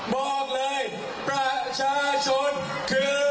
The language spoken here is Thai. บอกเลยประชาชนคือแรงดนตร์ใจของผู้ชายคนเล่น